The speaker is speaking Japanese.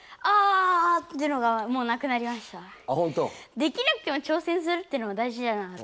できなくても挑戦するっていうのが大じだなって。